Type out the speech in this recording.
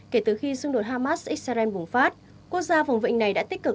kể từ khi xung đột hamas israel bùng phát quốc gia vùng vịnh này đã tích cực